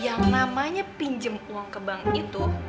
yang namanya pinjam uang ke bank itu